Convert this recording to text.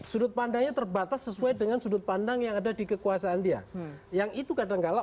sudut pandangnya terbatas sesuai dengan sudut pandang yang ada di kekuasaan dia yang itu kadangkala